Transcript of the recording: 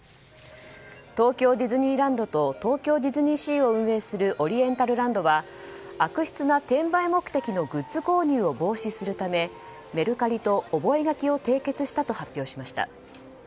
東京ディズニーランドと東京ディズニーシーを運営するオリエンタルランドは悪質な転売目的のグッズ購入を防止するためメルカリと覚書を締結したと発表しました。